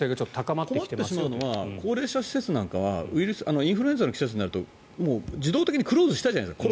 困ってしまうのは高齢者施設なんかはインフルエンザの季節になると自動的にクローズしたじゃないですか。